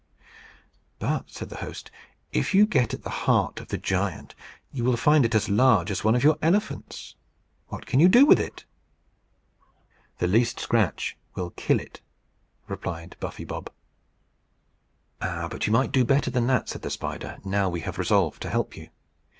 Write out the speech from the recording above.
"But," said their host, "if you get at the heart of the giant, you will find it as large as one of your elephants. What can you do with it?" "The least scratch will kill it," replied Buffy Bob. "Ah! but you might do better than that," said the spider. "Now we have resolved to help you.